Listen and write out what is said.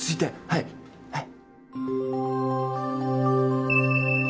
はいはい。